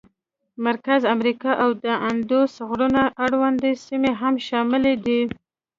مرکزي امریکا او د اندوس غرونو اړونده سیمې هم شاملې دي.